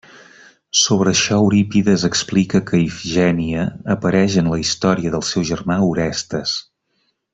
Sobre això, Eurípides explica que Ifigènia apareix en la història del seu germà, Orestes.